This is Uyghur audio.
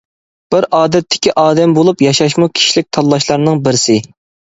بىر ئادەتتىكى ئادەم بولۇپ ياشاشمۇ كىشىلىك تاللاشلارنىڭ بىرسى.